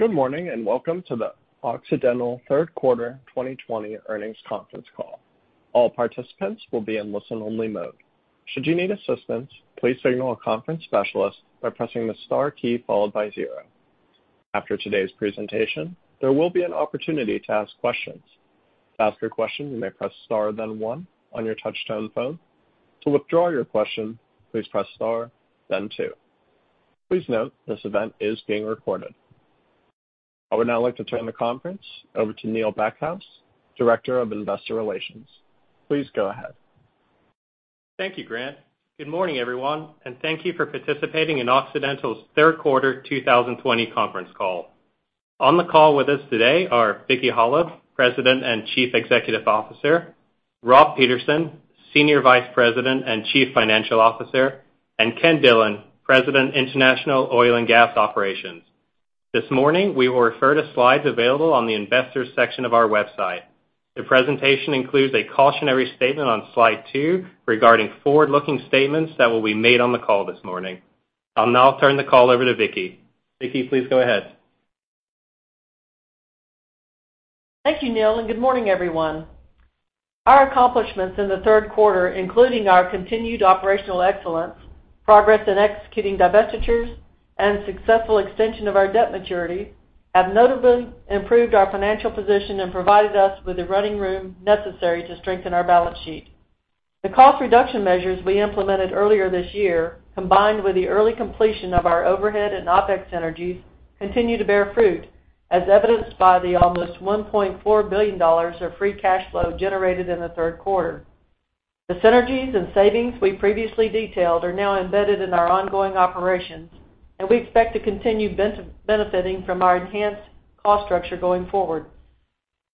Good morning and welcome to the Occidental third quarter 2020 earnings conference call. All participants will be in listen-only mode. Should you need assistance, please signal a conference specialist by pressing the star key followed by zero. After today's presentation, there will be an opportunity to ask questions. To ask your question, you may press star then one on your touchtone phone. To withdraw your question, please press star then two. Please note, this event is being recorded. I would now like to turn the conference over to Neil Backhouse, Director of Investor Relations. Please go ahead. Thank you, Grant. Good morning, everyone, and thank you for participating in Occidental's third quarter 2020 conference call. On the call with us today are Vicki Hollub, President and Chief Executive Officer, Rob Peterson, Senior Vice President and Chief Financial Officer, and Ken Dillon, President, International Oil and Gas Operations. This morning, we will refer to slides available on the investors section of our website. The presentation includes a cautionary statement on slide two regarding forward-looking statements that will be made on the call this morning. I'll now turn the call over to Vicki. Vicki, please go ahead. Thank you, Neil, and good morning, everyone. Our accomplishments in the third quarter, including our continued operational excellence, progress in executing divestitures, and successful extension of our debt maturity, have notably improved our financial position and provided us with the running room necessary to strengthen our balance sheet. The cost reduction measures we implemented earlier this year, combined with the early completion of our overhead and OpEx synergies, continue to bear fruit, as evidenced by the almost $1.4 billion of free cash flow generated in the third quarter. The synergies and savings we previously detailed are now embedded in our ongoing operations, and we expect to continue benefiting from our enhanced cost structure going forward.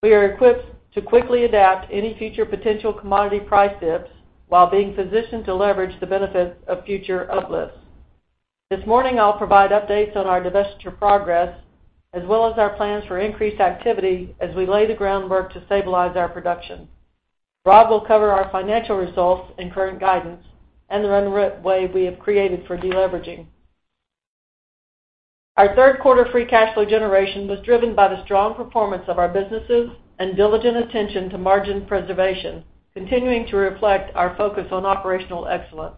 We are equipped to quickly adapt to any future potential commodity price dips while being positioned to leverage the benefits of future uplifts. This morning, I'll provide updates on our divestiture progress, as well as our plans for increased activity as we lay the groundwork to stabilize our production. Rob will cover our financial results and current guidance and the runway we have created for de-leveraging. Our third quarter free cash flow generation was driven by the strong performance of our businesses and diligent attention to margin preservation, continuing to reflect our focus on operational excellence.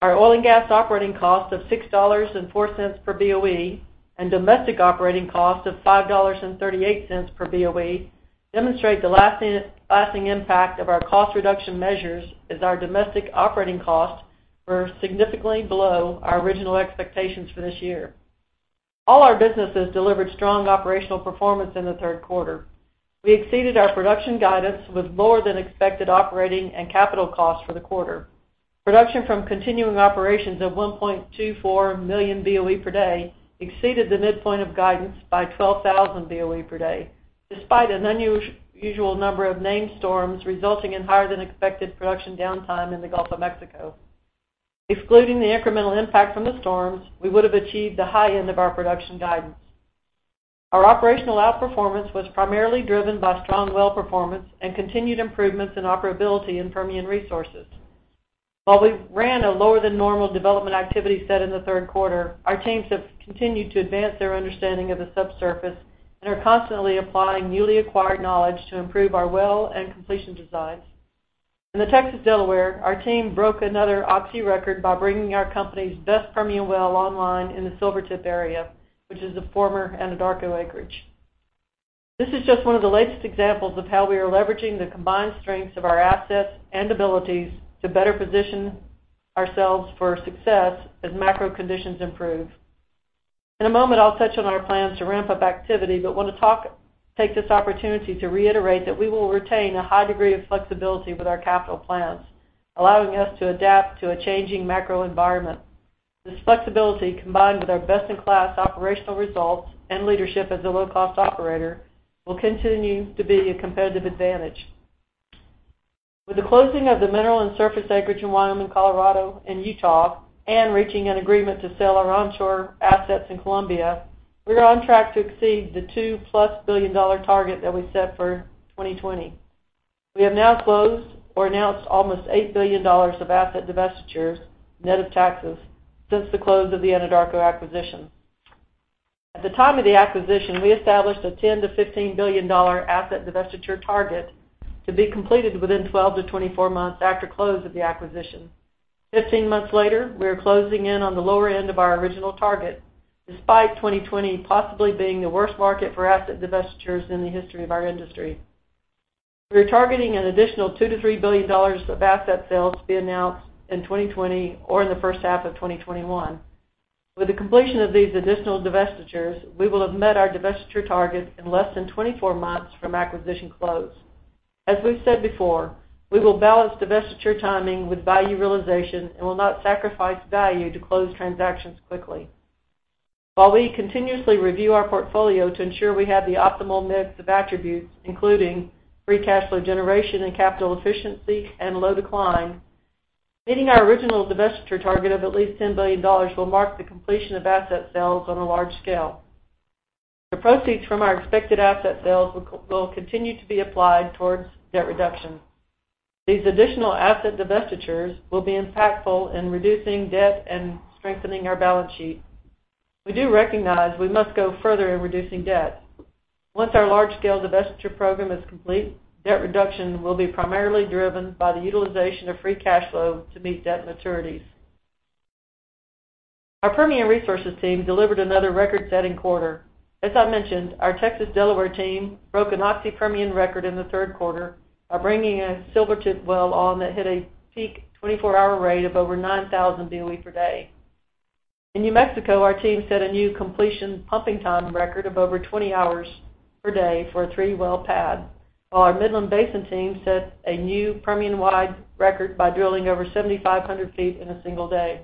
Our oil and gas operating cost of $6.04 per BOE and domestic operating cost of $5.38 per BOE demonstrate the lasting impact of our cost reduction measures, as our domestic operating costs were significantly below our original expectations for this year. All our businesses delivered strong operational performance in the third quarter. We exceeded our production guidance with lower than expected operating and capital costs for the quarter. Production from continuing operations of 1.24 million BOE per day exceeded the midpoint of guidance by 12,000 BOE per day, despite an unusual number of named storms resulting in higher than expected production downtime in the Gulf of Mexico. Excluding the incremental impact from the storms, we would have achieved the high end of our production guidance. Our operational outperformance was primarily driven by strong well performance and continued improvements in operability in Permian Resources. While we ran a lower than normal development activity set in the third quarter, our teams have continued to advance their understanding of the subsurface and are constantly applying newly acquired knowledge to improve our well and completion designs. In the Texas Delaware, our team broke another Oxy record by bringing our company's best Permian well online in the Silvertip area, which is the former Anadarko acreage. This is just one of the latest examples of how we are leveraging the combined strengths of our assets and abilities to better position ourselves for success as macro conditions improve. In a moment, I'll touch on our plans to ramp up activity, but want to take this opportunity to reiterate that we will retain a high degree of flexibility with our capital plans, allowing us to adapt to a changing macro environment. This flexibility, combined with our best-in-class operational results and leadership as a low-cost operator, will continue to be a competitive advantage. With the closing of the mineral and surface acreage in Wyoming, Colorado, and Utah, and reaching an agreement to sell our onshore assets in Colombia, we are on track to exceed the $2+ billion target that we set for 2020. We have now closed or announced almost $8 billion of asset divestitures, net of taxes, since the close of the Anadarko acquisition. At the time of the acquisition, we established a $10 billion-$15 billion asset divestiture target to be completed within 12 months-24 months after close of the acquisition. 15 months later, we are closing in on the lower end of our original target, despite 2020 possibly being the worst market for asset divestitures in the history of our industry. We are targeting an additional $2 billion-$3 billion of asset sales to be announced in 2020 or in the first half of 2021. With the completion of these additional divestitures, we will have met our divestiture target in less than 24 months from acquisition close. As we've said before, we will balance divestiture timing with value realization and will not sacrifice value to close transactions quickly. While we continuously review our portfolio to ensure we have the optimal mix of attributes, including free cash flow generation and capital efficiency and low decline, meeting our original divestiture target of at least $10 billion will mark the completion of asset sales on a large scale. The proceeds from our expected asset sales will continue to be applied towards debt reduction. These additional asset divestitures will be impactful in reducing debt and strengthening our balance sheet. We do recognize we must go further in reducing debt. Once our large-scale divestiture program is complete, debt reduction will be primarily driven by the utilization of free cash flow to meet debt maturities. Our Permian Resources team delivered another record-setting quarter. As I mentioned, our Texas Delaware team broke an Oxy Permian record in the third quarter by bringing a Silvertip well on that hit a peak 24-hour rate of over 9,000 Boe per day. In New Mexico, our team set a new completion pumping time record of over 20 hours per day for a three-well pad. While our Midland Basin team set a new Permian-wide record by drilling over 7,500 ft in a single day.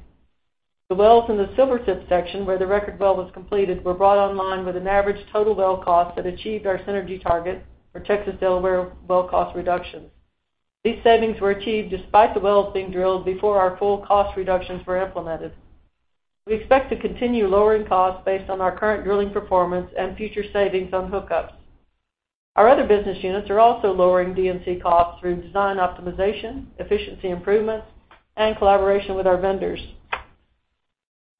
The wells in the Silvertip section where the record well was completed were brought online with an average total well cost that achieved our synergy target for Texas Delaware well cost reductions. These savings were achieved despite the wells being drilled before our full cost reductions were implemented. We expect to continue lowering costs based on our current drilling performance and future savings on hookups. Our other business units are also lowering D&C costs through design optimization, efficiency improvements, and collaboration with our vendors.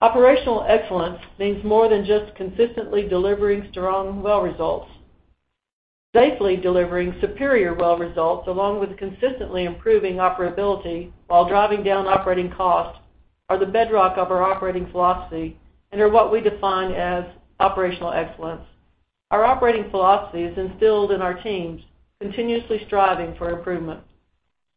Operational excellence means more than just consistently delivering strong well results. Safely delivering superior well results, along with consistently improving operability while driving down operating costs, are the bedrock of our operating philosophy and are what we define as operational excellence. Our operating philosophy is instilled in our teams, continuously striving for improvement.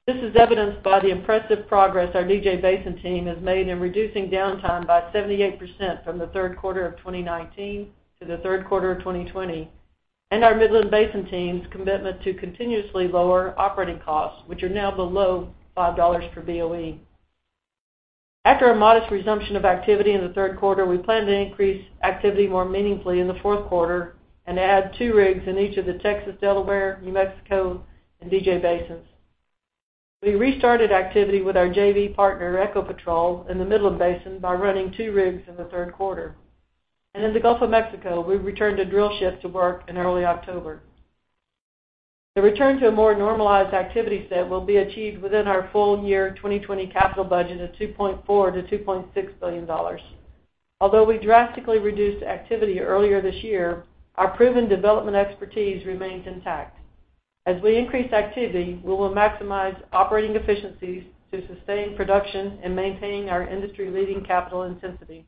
This is evidenced by the impressive progress our DJ Basin team has made in reducing downtime by 78% from the third quarter of 2019 to the third quarter of 2020. Our Midland Basin team's commitment to continuously lower operating costs, which are now below $5 per BOE. After a modest resumption of activity in the third quarter, we plan to increase activity more meaningfully in the fourth quarter and add two rigs in each of the Texas Delaware, New Mexico, and DJ Basins. We restarted activity with our JV partner, Ecopetrol, in the Midland Basin by running two rigs in the third quarter. In the Gulf of Mexico, we returned a drill ship to work in early October. The return to a more normalized activity set will be achieved within our full year 2020 capital budget of $2.4 billion-$2.6 billion. Although I drastically reduced activity earlier this year, our proven development expertise remains intact. As we increase activity, we will maximize operating efficiencies to sustain production and maintain our industry-leading capital intensity.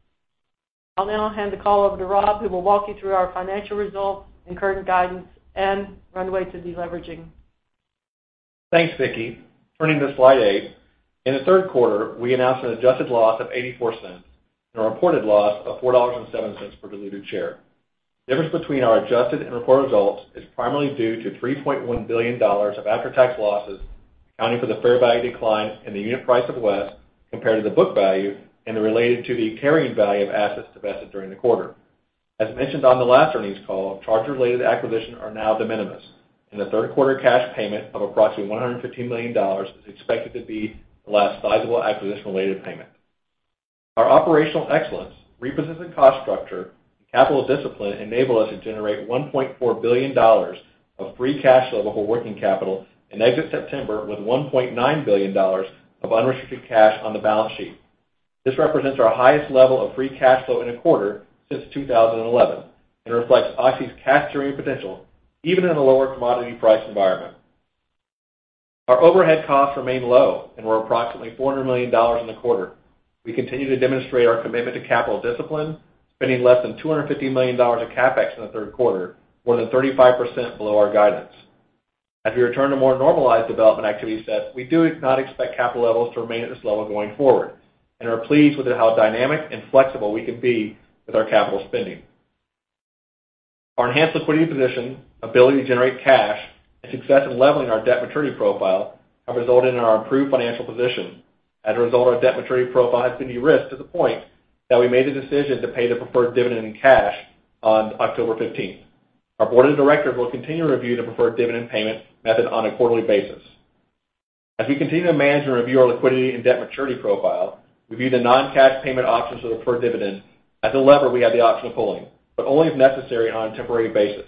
I'll now hand the call over to Rob, who will walk you through our financial results and current guidance and runway to deleveraging. Thanks, Vicki. Turning to slide eight. In the third quarter, we announced an adjusted loss of $0.84 and a reported loss of $4.07 per diluted share. The difference between our adjusted and reported results is primarily due to $3.1 billion of after-tax losses accounting for the fair value decline in the unit price of WES compared to the book value and are related to the carrying value of assets divested during the quarter. As mentioned on the last earnings call, charter-related acquisition are now de minimis, and the third quarter cash payment of approximately $150 million is expected to be the last sizable acquisition-related payment. Our operational excellence, repositioned cost structure, and capital discipline enable us to generate $1.4 billion of free cash flow before working capital and exit September with $1.9 billion of unrestricted cash on the balance sheet. This represents our highest level of free cash flow in a quarter since 2011 and reflects Oxy's cash-generating potential, even in a lower commodity price environment. Our overhead costs remain low and were approximately $400 million in the quarter. We continue to demonstrate our commitment to capital discipline, spending less than $250 million of CapEx in the third quarter, more than 35% below our guidance. As we return to more normalized development activity sets, we do not expect capital levels to remain at this level going forward and are pleased with how dynamic and flexible we can be with our capital spending. Our enhanced liquidity position, ability to generate cash, and success in leveling our debt maturity profile have resulted in our improved financial position. As a result, our debt maturity profile has been de-risked to the point that we made the decision to pay the preferred dividend in cash on October 15th. Our board of directors will continue to review the preferred dividend payment method on a quarterly basis. As we continue to manage and review our liquidity and debt maturity profile, review the non-cash payment options of the preferred dividend as a lever, we have the option of pulling, but only if necessary and on a temporary basis.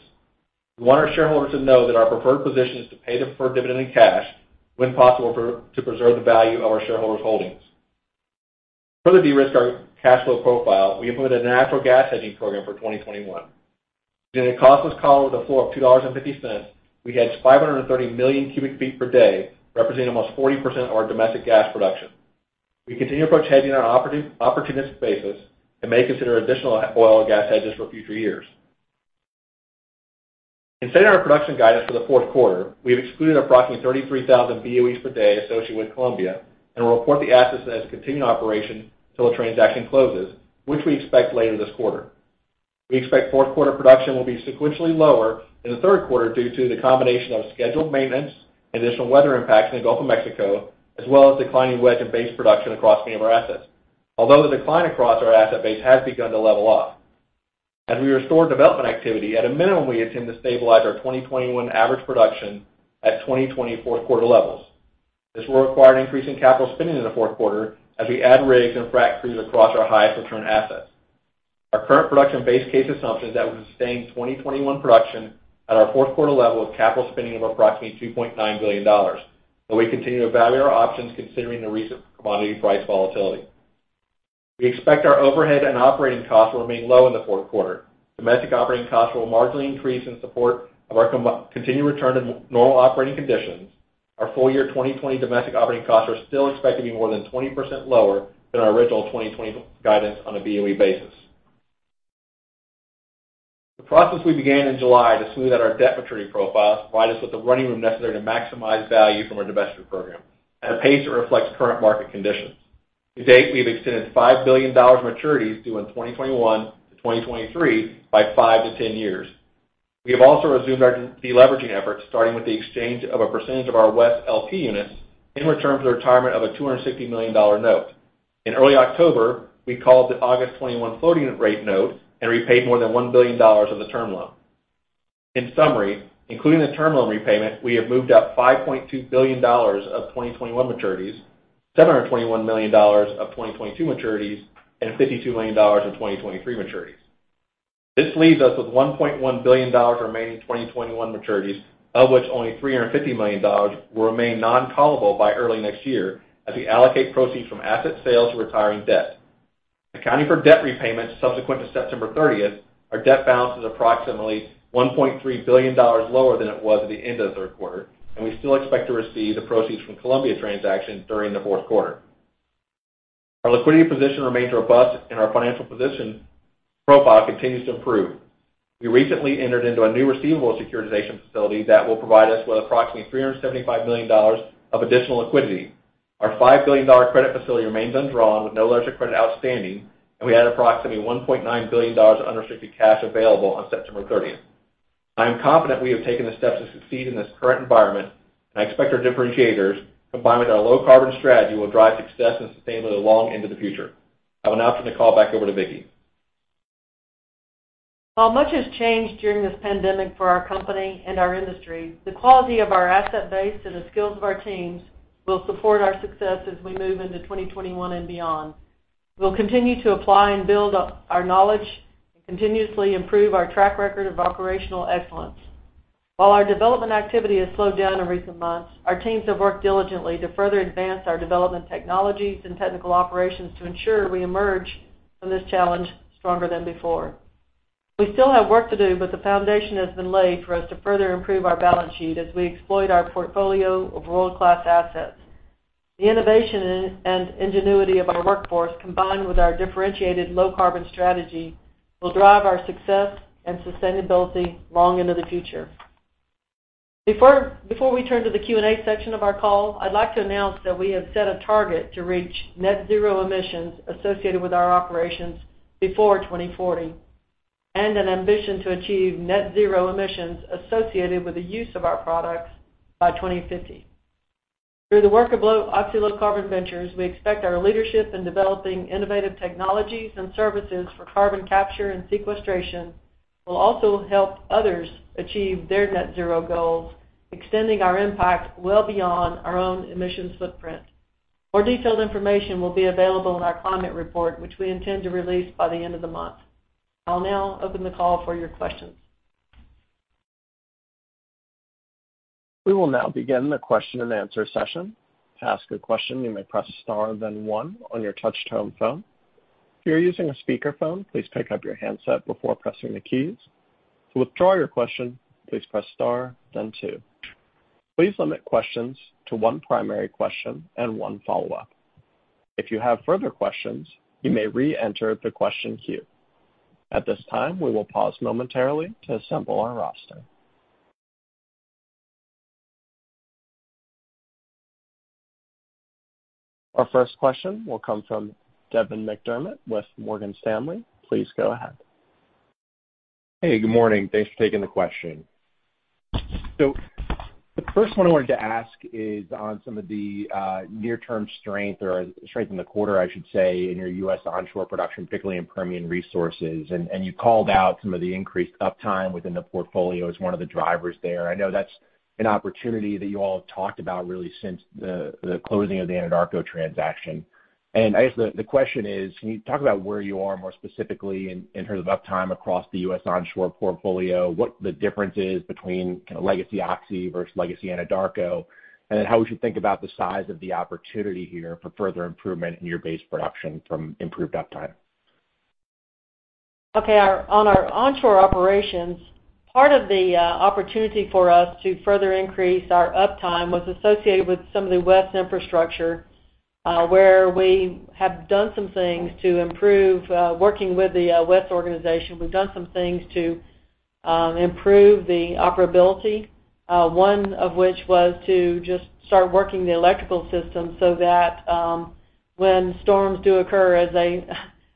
We want our shareholders to know that our preferred position is to pay the preferred dividend in cash when possible to preserve the value of our shareholders' holdings. To further de-risk our cash flow profile, we implemented a natural gas hedging program for 2021. Using a costless collar with a floor of $2.50, we hedged 530 million cubic feet per day, representing almost 40% of our domestic gas production. We continue to approach hedging on an opportunistic basis and may consider additional oil and gas hedges for future years. In setting our production guidance for the fourth quarter, we have excluded approximately 33,000 Boe per day associated with Colombia and will report the assets as a continuing operation until the transaction closes, which we expect later this quarter. We expect fourth quarter production will be sequentially lower in the third quarter due to the combination of scheduled maintenance and additional weather impacts in the Gulf of Mexico, as well as declining wedge and base production across many of our assets. Although the decline across our asset base has begun to level off. As we restore development activity, at a minimum, we intend to stabilize our 2021 average production at 2020 fourth quarter levels. This will require an increase in capital spending in the fourth quarter as we add rigs and frac crews across our highest return assets. Our current production base case assumption is that we sustain 2021 production at our fourth quarter level of capital spending of approximately $2.9 billion. We continue to evaluate our options considering the recent commodity price volatility. We expect our overhead and operating costs will remain low in the fourth quarter. Domestic operating costs will marginally increase in support of our continued return to normal operating conditions. Our full-year 2020 domestic operating costs are still expected to be more than 20% lower than our original 2020 guidance on a Boe basis. The process we began in July to smooth out our debt maturity profile to provide us with the running room necessary to maximize value from our divestment program at a pace that reflects current market conditions. To date, we have extended $5 billion maturities due in 2021-2023 by five to 10 years. We have also resumed our de-leveraging efforts, starting with the exchange of a percentage of our WES LP units in return for the retirement of a $260 million note. In early October, we called the August 2021 floating rate note and repaid more than $1 billion of the term loan. In summary, including the term loan repayment, we have moved out $5.2 billion of 2021 maturities, $721 million of 2022 maturities, and $52 million of 2023 maturities. This leaves us with $1.1 billion remaining 2021 maturities, of which only $350 million will remain non-callable by early next year, as we allocate proceeds from asset sales to retiring debt. Accounting for debt repayments subsequent to September 30th, our debt balance is approximately $1.3 billion lower than it was at the end of the third quarter, and we still expect to receive the proceeds from Colombia transaction during the fourth quarter. Our liquidity position remains robust, and our financial position profile continues to improve. We recently entered into a new receivable securitization facility that will provide us with approximately $375 million of additional liquidity. Our $5 billion credit facility remains undrawn with no letter of credit outstanding, and we had approximately $1.9 billion of unrestricted cash available on September 30th. I am confident we have taken the steps to succeed in this current environment, and I expect our differentiators, combined with our low-carbon strategy, will drive success and sustainability long into the future. I will now turn the call back over to Vicki. While much has changed during this pandemic for our company and our industry, the quality of our asset base and the skills of our teams will support our success as we move into 2021 and beyond. We'll continue to apply and build our knowledge and continuously improve our track record of operational excellence. While our development activity has slowed down in recent months, our teams have worked diligently to further advance our development technologies and technical operations to ensure we emerge from this challenge stronger than before. We still have work to do, but the foundation has been laid for us to further improve our balance sheet as we exploit our portfolio of world-class assets. The innovation and ingenuity of our workforce, combined with our differentiated low-carbon strategy, will drive our success and sustainability long into the future. Before we turn to the Q&A section of our call, I'd like to announce that we have set a target to reach net zero emissions associated with our operations before 2040, and an ambition to achieve net zero emissions associated with the use of our products by 2050. Through the work of Oxy Low Carbon Ventures, we expect our leadership in developing innovative technologies and services for carbon capture and sequestration will also help others achieve their net zero goals, extending our impact well beyond our own emissions footprint. More detailed information will be available in our climate report, which we intend to release by the end of the month. I'll now open the call for your questions. We will now begin the question and answer session. To ask a question, you may press star then one on your touchtone phone. If you're using a speakerphone, please pick up your handset before pressing the keys. To withdraw your question, please press star then two. Please limit questions to one primary question and one follow-up. If you have further questions, you may re-enter the question queue. At this time, we will pause momentarily to assemble our roster. Our first question will come from Devin McDermott with Morgan Stanley. Please go ahead. Hey, good morning. Thanks for taking the question. The first one I wanted to ask is on some of the near-term strength, or strength in the quarter, I should say, in your U.S. onshore production, particularly in Permian Resources. You called out some of the increased uptime within the portfolio as one of the drivers there. I know that's an opportunity that you all have talked about really since the closing of the Anadarko transaction. I guess the question is, can you talk about where you are more specifically in terms of uptime across the U.S. onshore portfolio, what the difference is between kind of legacy Oxy versus legacy Anadarko, and then how we should think about the size of the opportunity here for further improvement in your base production from improved uptime? Okay. On our onshore operations, part of the opportunity for us to further increase our uptime was associated with some of the WES infrastructure, where we have done some things to improve working with the WES organization. We've done some things to improve the operability, one of which was to just start working the electrical system so that when storms do occur, as they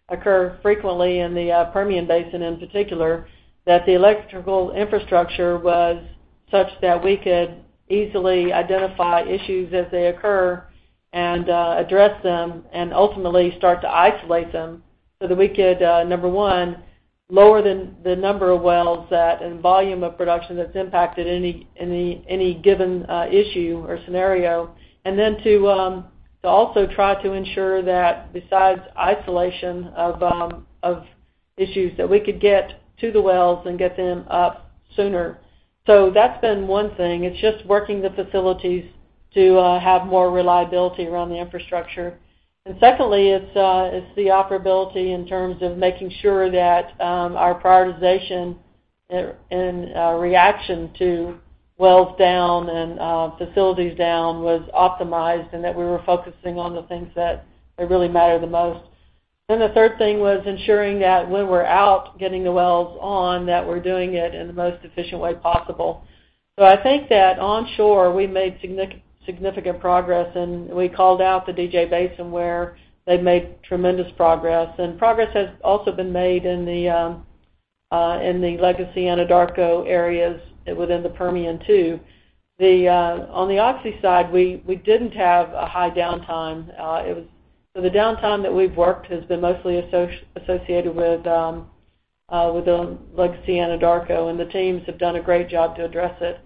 occur frequently in the Permian Basin in particular, that the electrical infrastructure was such that we could easily identify issues as they occur and address them, and ultimately start to isolate them so that we could, number one, lower the number of wells that and volume of production that's impacted any given issue or scenario. To also try to ensure that besides isolation of issues, that we could get to the wells and get them up sooner. That's been one thing. It's just working the facilities to have more reliability around the infrastructure. Secondly, it's the operability in terms of making sure that our prioritization and reaction to wells down and facilities down was optimized, and that we were focusing on the things that really matter the most. The third thing was ensuring that when we're out getting the wells on, that we're doing it in the most efficient way possible. I think that onshore, we've made significant progress and we called out the DJ Basin, where they've made tremendous progress. Progress has also been made in the legacy Anadarko areas within the Permian, too. On the Oxy side, we didn't have a high downtime. The downtime that we've worked has been mostly associated with the legacy Anadarko, and the teams have done a great job to address it.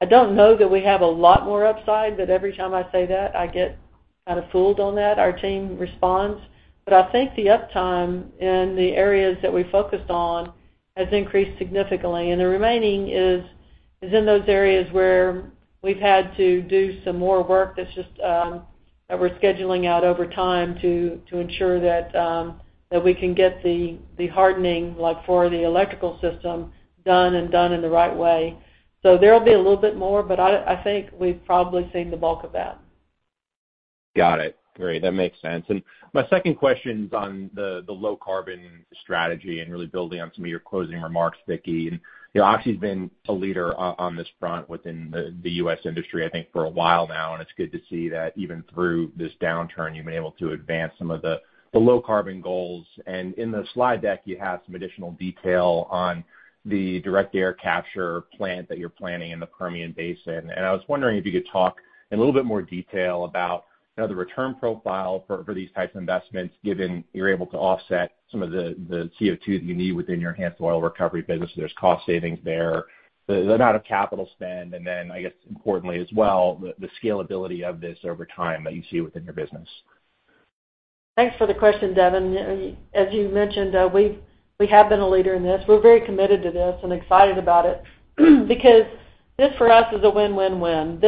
I don't know that we have a lot more upside, but every time I say that, I get kind of fooled on that. Our team responds. I think the uptime and the areas that we focused on has increased significantly. The remaining is in those areas where we've had to do some more work that we're scheduling out over time to ensure that we can get the hardening, like for the electrical system, done, and done in the right way. There'll be a little bit more, but I think we've probably seen the bulk of that. Got it. Great. That makes sense. My second question's on the low-carbon strategy and really building on some of your closing remarks, Vicki. Oxy's been a leader on this front within the U.S. industry, I think, for a while now, and it's good to see that even through this downturn, you've been able to advance some of the low-carbon goals. In the slide deck, you have some additional detail on the direct air capture plant that you're planning in the Permian Basin. I was wondering if you could talk in a little bit more detail about the return profile for these types of investments, given you're able to offset some of the CO2 that you need within your enhanced oil recovery business, so there's cost savings there. The amount of capital spend, and then I guess importantly as well, the scalability of this over time that you see within your business. Thanks for the question, Devin. As you mentioned, we have been a leader in this. We're very committed to this and excited about it because this, for us, is a win-win-win.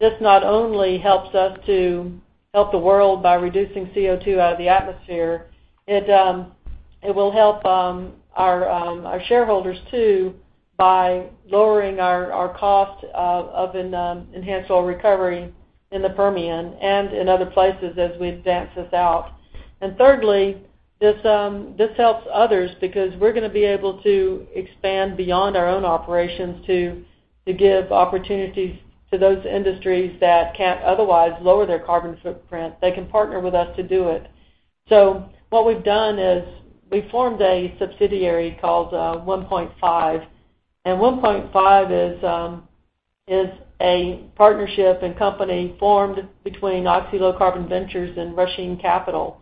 This not only helps us to help the world by reducing CO2 out of the atmosphere, it will help our shareholders too by lowering our cost of enhanced oil recovery in the Permian and in other places as we advance this out. Thirdly, this helps others because we're going to be able to expand beyond our own operations to give opportunities to those industries that can't otherwise lower their carbon footprint. They can partner with us to do it. What we've done is we formed a subsidiary called 1PointFive. 1PointFive is a partnership and company formed between Oxy Low Carbon Ventures and Rusheen Capital.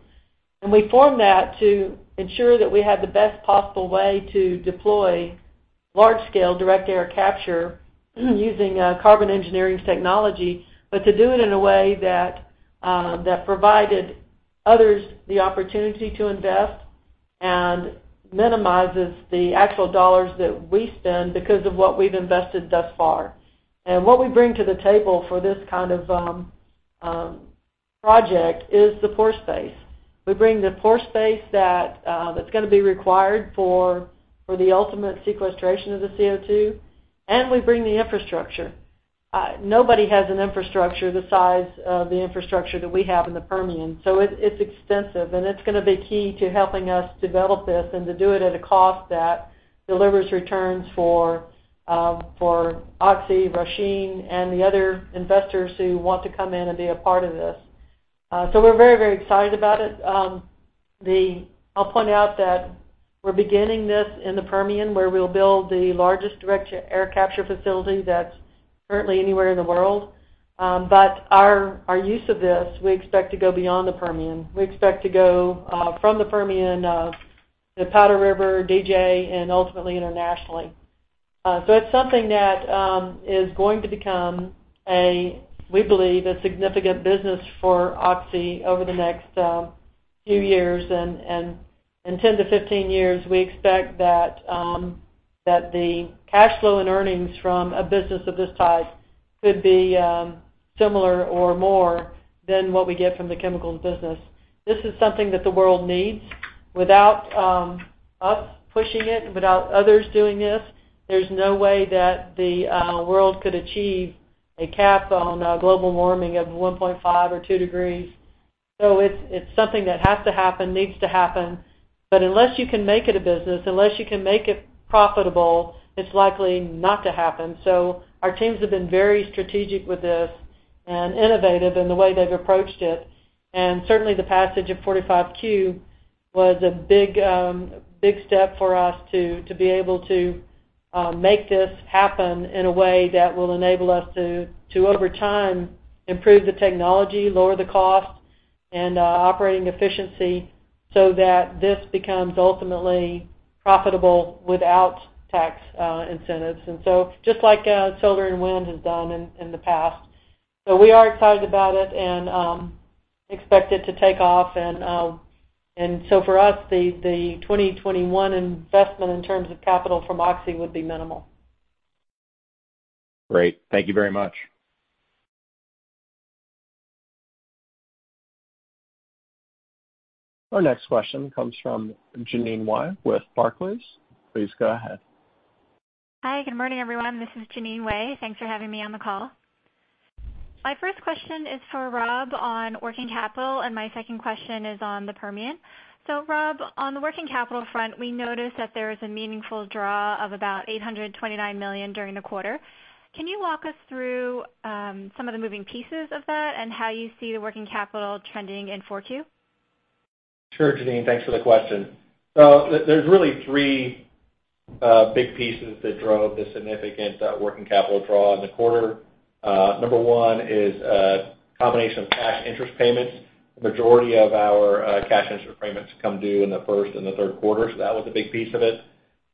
We formed that to ensure that we had the best possible way to deploy large-scale direct air capture using Carbon Engineering's technology, but to do it in a way that provided others the opportunity to invest and minimizes the actual dollars that we spend because of what we've invested thus far. What we bring to the table for this kind of project is the pore space. We bring the pore space that's going to be required for the ultimate sequestration of the CO2, and we bring the infrastructure. Nobody has an infrastructure the size of the infrastructure that we have in the Permian. It's extensive, and it's going to be key to helping us develop this and to do it at a cost that delivers returns for Oxy, Rusheen, and the other investors who want to come in and be a part of this. We're very, very excited about it. I'll point out that we're beginning this in the Permian, where we'll build the largest direct air capture facility that's currently anywhere in the world. Our use of this, we expect to go beyond the Permian. We expect to go from the Permian, the Powder River, DJ, and ultimately internationally. It's something that is going to become, we believe, a significant business for Oxy over the next few years. In 10 years-15 years, we expect that the cash flow and earnings from a business of this type could be similar or more than what we get from the chemicals business. This is something that the world needs. Without us pushing it, without others doing this, there's no way that the world could achieve a cap on global warming of 1.5 or 2 degrees. It's something that has to happen, needs to happen. Unless you can make it a business, unless you can make it profitable, it's likely not to happen. Our teams have been very strategic with this and innovative in the way they've approached it. Certainly, the passage of 45Q was a big step for us to be able to make this happen in a way that will enable us to, over time, improve the technology, lower the cost and operating efficiency so that this becomes ultimately profitable without tax incentives. Just like solar and wind has done in the past. We are excited about it and expect it to take off. For us, the 2021 investment in terms of capital from Oxy would be minimal. Great. Thank you very much. Our next question comes from Jeanine Wai with Barclays. Please go ahead. Hi, good morning, everyone. This is Jeanine Wai. Thanks for having me on the call. My first question is for Rob on working capital, and my second question is on the Permian. Rob, on the working capital front, we noticed that there is a meaningful draw of about $829 million during the quarter. Can you walk us through some of the moving pieces of that and how you see the working capital trending in 4Q? Sure, Jeanine. Thanks for the question. There's really three big pieces that drove the significant working capital draw in the quarter. Number one is a combination of cash interest payments. The majority of our cash interest repayments come due in the first and the third quarter, so that was a big piece of it.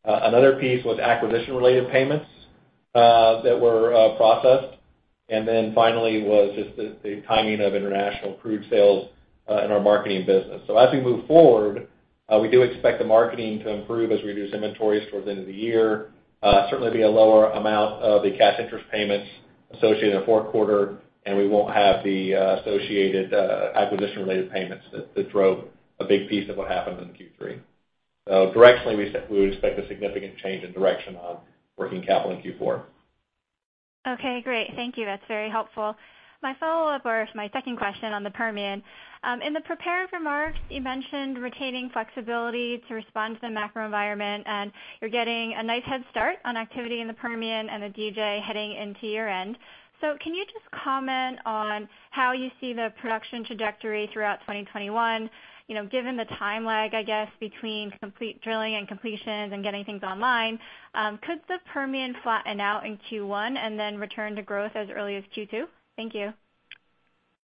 Another piece was acquisition-related payments that were processed. Finally was just the timing of international crude sales in our marketing business. As we move forward, we do expect the marketing to improve as we reduce inventories towards the end of the year. Certainly be a lower amount of the cash interest payments associated in the fourth quarter, and we won't have the associated acquisition-related payments that drove a big piece of what happened in Q3. Directionally, we would expect a significant change in direction on working capital in Q4. Okay, great. Thank you. That's very helpful. My follow-up or my second question on the Permian. In the prepared remarks, you mentioned retaining flexibility to respond to the macro environment, and you're getting a nice head start on activity in the Permian and the DJ heading into year-end. Can you just comment on how you see the production trajectory throughout 2021? Given the time lag, I guess, between complete drilling and completions and getting things online, could the Permian flatten out in Q1 and then return to growth as early as Q2? Thank you.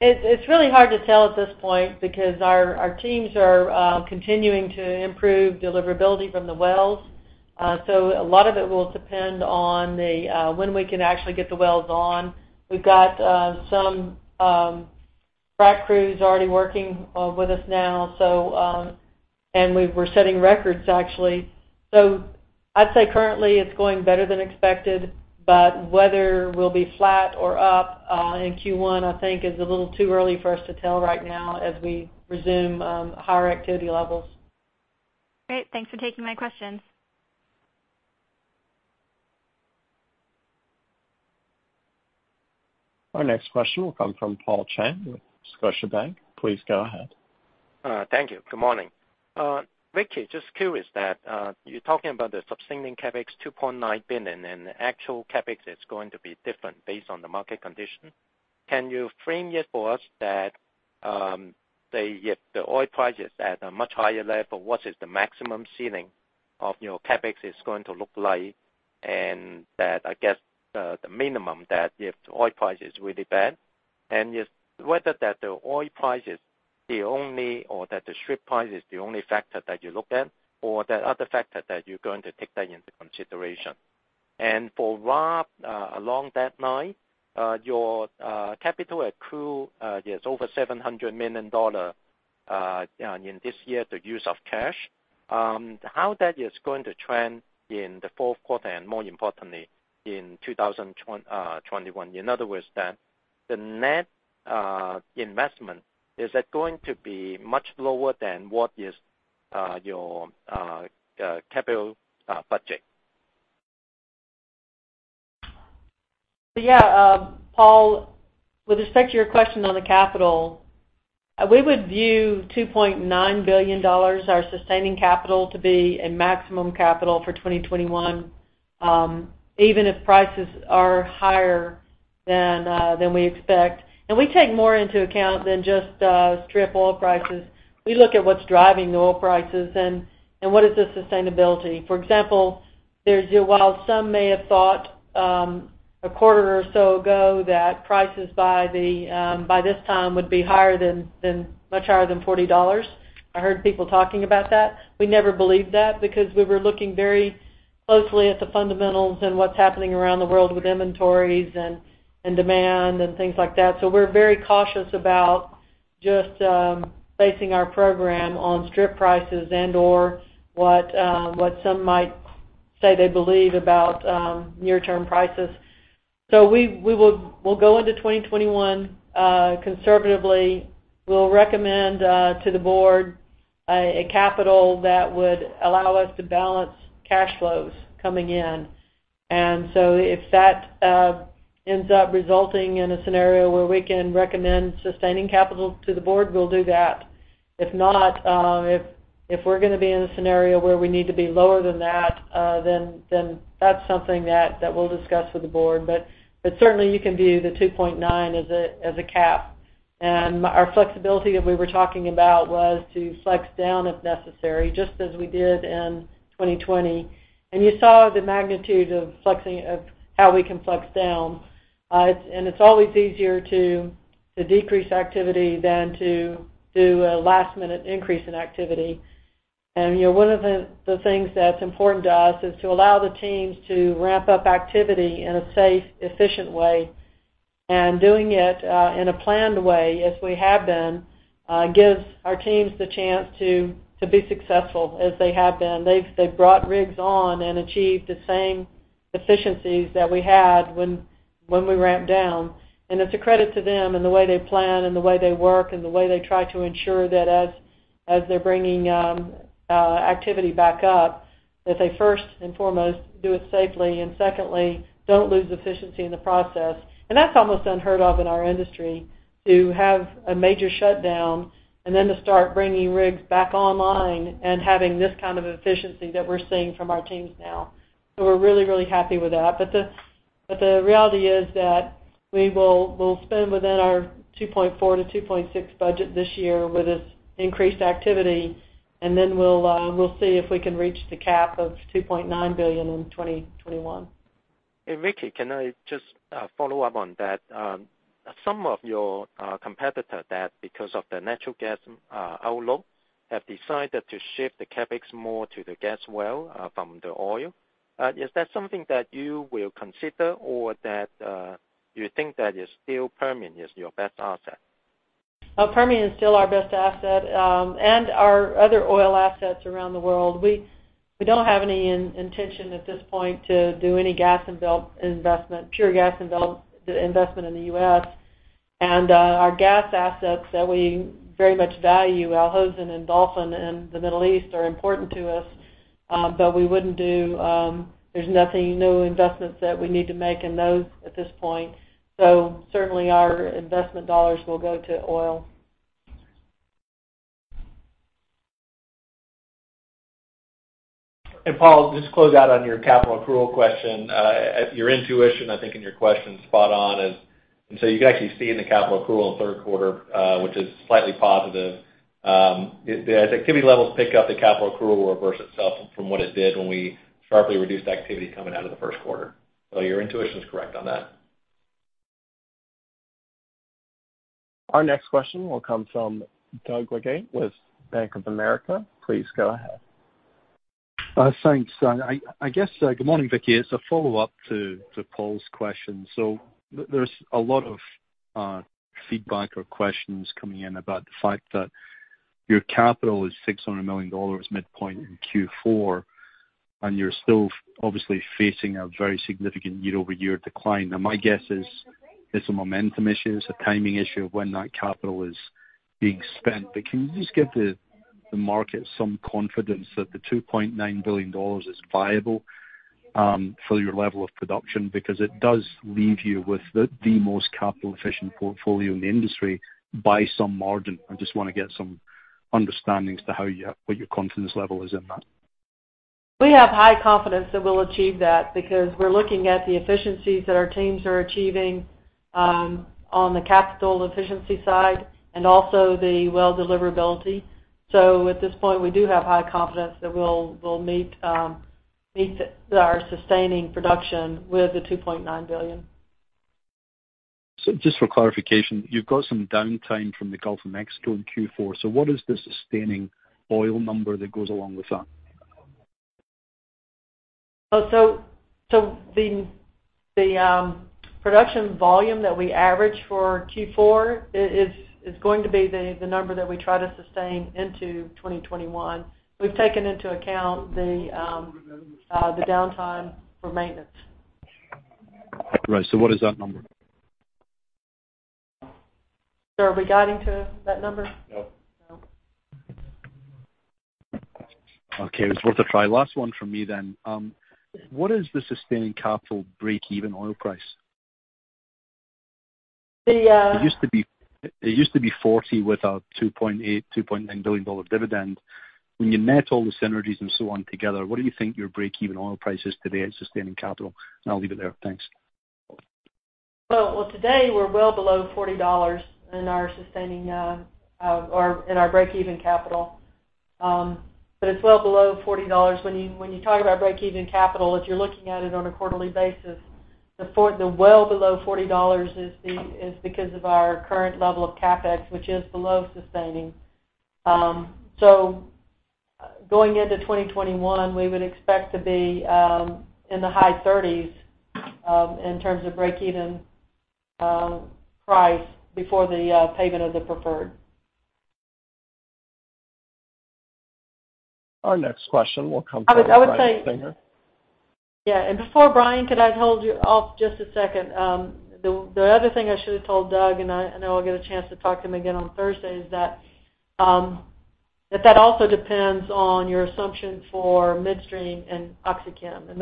It's really hard to tell at this point because our teams are continuing to improve deliverability from the wells. A lot of it will depend on when we can actually get the wells on. We've got some frack crews already working with us now, and we're setting records, actually. I'd say currently it's going better than expected, but whether we'll be flat or up in Q1, I think is a little too early for us to tell right now as we resume higher activity levels. Great. Thanks for taking my questions. Our next question will come from Paul Cheng with Scotiabank. Please go ahead. Thank you. Good morning. Vicki, just curious that you're talking about the sustaining CapEx, $2.9 billion, and the actual CapEx is going to be different based on the market condition. Can you frame it for us that if the oil price is at a much higher level, what is the maximum ceiling of CapEx is going to look like, and that, I guess, the minimum that if the oil price is really bad? Whether that the oil price is the only factor, or that the strip price is the only factor that you look at, or there are other factors that you're going to take that into consideration. For Rob, along that line, your capital accrual is over $700 million in this year, the use of cash. How that is going to trend in the fourth quarter and more importantly, in 2021? In other words, the net investment, is that going to be much lower than what is your capital budget? Yeah. Paul, with respect to your question on the capital, we would view $2.9 billion, our sustaining capital, to be a maximum capital for 2021, even if prices are higher than we expect. We take more into account than just strip oil prices. We look at what's driving the oil prices and what is the sustainability. For example, while some may have thought a quarter or so ago that prices by this time would be much higher than $40, I heard people talking about that. We never believed that because we were looking very closely at the fundamentals and what's happening around the world with inventories and demand and things like that. We're very cautious about just basing our program on strip prices and/or what some might say they believe about near-term prices. We'll go into 2021 conservatively. We'll recommend to the board a capital that would allow us to balance cash flows coming in. If that ends up resulting in a scenario where we can recommend sustaining capital to the board, we'll do that. If not, if we're going to be in a scenario where we need to be lower than that, then that's something that we'll discuss with the board. Certainly, you can view the $2.9 billion as a cap. Our flexibility that we were talking about was to flex down if necessary, just as we did in 2020. You saw the magnitude of how we can flex down. It's always easier to decrease activity than to do a last-minute increase in activity. One of the things that's important to us is to allow the teams to ramp up activity in a safe, efficient way. Doing it in a planned way, as we have been, gives our teams the chance to be successful, as they have been. They've brought rigs on and achieved the same efficiencies that we had when we ramped down. It's a credit to them and the way they plan and the way they work and the way they try to ensure that as they're bringing activity back up, that they first and foremost do it safely, and secondly, don't lose efficiency in the process. That's almost unheard of in our industry, to have a major shutdown and then to start bringing rigs back online and having this kind of efficiency that we're seeing from our teams now. We're really, really happy with that. The reality is that we'll spend within our $2.4 billion-$2.6 billion budget this year with this increased activity, and then we'll see if we can reach the cap of $2.9 billion in 2021. Hey, Vicki, can I just follow up on that? Some of your competitors that, because of the natural gas outlook, have decided to shift the CapEx more to the gas well from the oil. Is that something that you will consider, or that you think that is still Permian is your best asset? Permian is still our best asset, and our other oil assets around the world. We don't have any intention at this point to do any pure gas investment in the U.S. Our gas assets that we very much value, Al Hosn and Dolphin in the Middle East are important to us, but there's nothing, new investments that we need to make in those at this point. Certainly our investment dollars will go to oil. Paul, just to close out on your capital accrual question. Your intuition, I think in your question is spot on. You can actually see in the capital accrual in the third quarter, which is slightly positive. As activity levels pick up, the capital accrual will reverse itself from what it did when we sharply reduced activity coming out of the first quarter. Your intuition is correct on that. Our next question will come from Doug Leggate with Bank of America. Please go ahead. Thanks. I guess, good morning, Vicki. It's a follow-up to Paul's question. There's a lot of feedback or questions coming in about the fact that your capital is $600 million midpoint in Q4, and you're still obviously facing a very significant year-over-year decline. My guess is it's a momentum issue. It's a timing issue of when that capital is being spent. Can you just give the market some confidence that the $2.9 billion is viable for your level of production? Because it does leave you with the most capital-efficient portfolio in the industry by some margin. I just want to get some understanding as to what your confidence level is in that. We have high confidence that we'll achieve that because we're looking at the efficiencies that our teams are achieving on the capital efficiency side and also the well deliverability. At this point, we do have high confidence that we'll meet our sustaining production with the $2.9 billion. Just for clarification, you've got some downtime from the Gulf of Mexico in Q4, so what is the sustaining oil number that goes along with that? The production volume that we average for Q4 is going to be the number that we try to sustain into 2021. We've taken into account the downtime for maintenance. Right. What is that number? Sir, are we guiding to that number? No. No. Okay. It was worth a try. Last one from me then. What is the sustaining capital breakeven oil price? The, uh- It used to be $40 with a $2.8 billion, $2.9 billion dividend. When you net all the synergies and so on together, what do you think your breakeven oil price is today at sustaining capital? I'll leave it there. Thanks. Well, today, we're well below $40 in our breakeven capital. It's well below $40. When you talk about breakeven capital, if you're looking at it on a quarterly basis, the well below $40 is because of our current level of CapEx, which is below sustaining. Going into 2021, we would expect to be in the high $30s in terms of breakeven price before the payment of the preferred. Our next question will come from Brian Singer. Yeah. Before Brian, could I hold you off just a second? The other thing I should have told Doug, and I know I'll get a chance to talk to him again on Thursday, is that also depends on your assumption for midstream and OxyChem.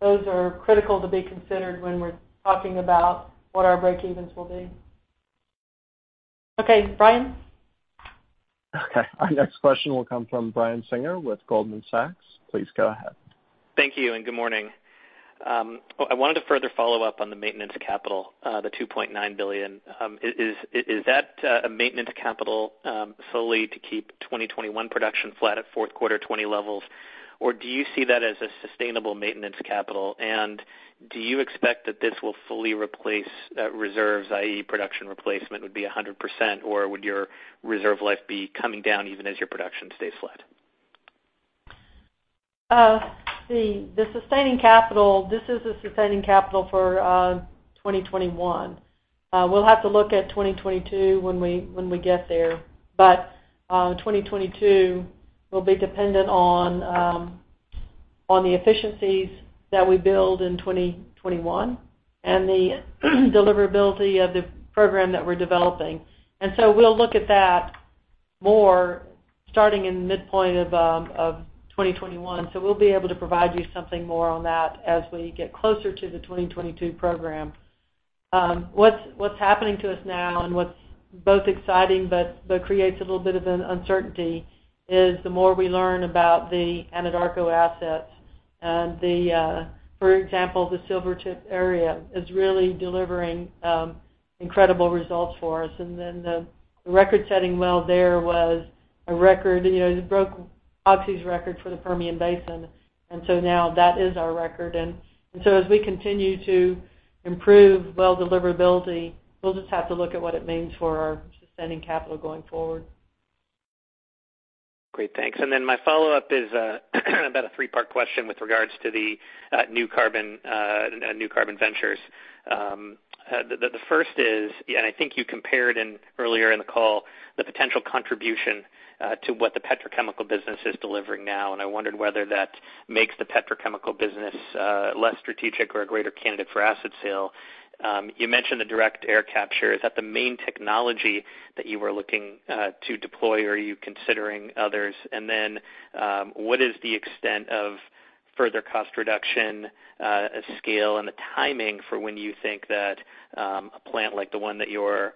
Those are critical to be considered when we're talking about what our breakevens will be. Okay, Brian? Okay. Our next question will come from Brian Singer with Goldman Sachs. Please go ahead. Thank you and good morning. I wanted to further follow up on the maintenance capital, the $2.9 billion. Is that a maintenance capital solely to keep 2021 production flat at fourth quarter 2020 levels? Do you see that as a sustainable maintenance capital? Do you expect that this will fully replace reserves, i.e., production replacement would be 100%, or would your reserve life be coming down even as your production stays flat? The sustaining capital, this is the sustaining capital for 2021. We'll have to look at 2022 when we get there. 2022 will be dependent on the efficiencies that we build in 2021 and the deliverability of the program that we're developing. We'll look at that more starting in midpoint of 2021. We'll be able to provide you something more on that as we get closer to the 2022 program. What's happening to us now and what's both exciting but creates a little bit of an uncertainty is the more we learn about the Anadarko assets. For example, the Silvertip area is really delivering incredible results for us. The record-setting well there was a record. It broke Oxy's record for the Permian Basin, and so now that is our record. As we continue to improve well deliverability, we'll just have to look at what it means for our sustaining capital going forward. Great, thanks. My follow-up is about a three-part question with regards to the new carbon ventures. The first is, I think you compared earlier in the call, the potential contribution to what the petrochemical business is delivering now, and I wondered whether that makes the petrochemical business less strategic or a greater candidate for asset sale. You mentioned the direct air capture. Is that the main technology that you were looking to deploy, or are you considering others? What is the extent of further cost reduction, scale, and the timing for when you think that a plant like the one that you're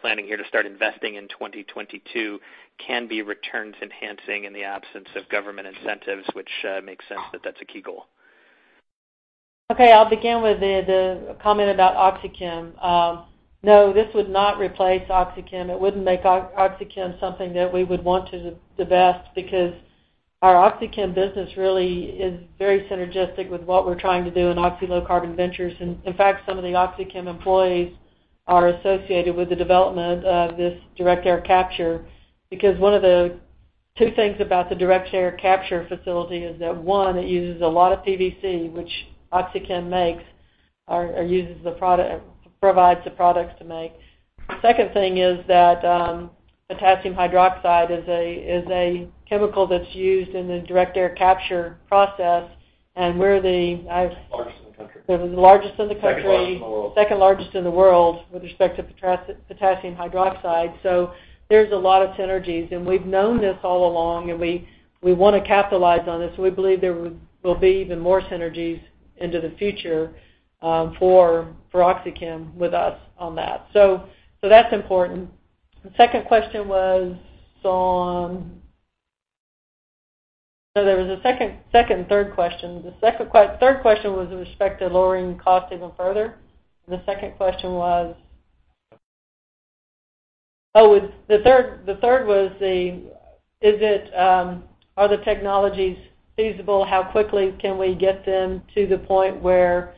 planning here to start investing in 2022 can be returns enhancing in the absence of government incentives, which makes sense that that's a key goal? Okay. I'll begin with the comment about OxyChem. No, this would not replace OxyChem. It wouldn't make OxyChem something that we would want to divest because our OxyChem business really is very synergistic with what we're trying to do in Oxy Low Carbon Ventures. In fact, some of the OxyChem employees are associated with the development of this direct air capture, because one of the two things about the direct air capture facility is that, one, it uses a lot of PVC, which OxyChem makes or provides the products to make. The second thing is that potassium hydroxide is a chemical that's used in the direct air capture process. Largest in the country. We're the largest in the country. Second largest in the world. Second largest in the world with respect to potassium hydroxide. There's a lot of synergies, and we've known this all along, and we want to capitalize on this. We believe there will be even more synergies into the future for OxyChem with us on that. That's important. The second question was. There was a second, third question. The third question was with respect to lowering cost even further, and the second question was. The third was are the technologies feasible? How quickly can we get them to the point where